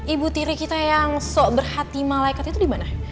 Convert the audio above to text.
ibu tiri kita yang sok berhati malaikat itu dimana